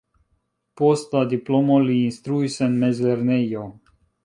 Post la diplomo li instruis en mezlernejo.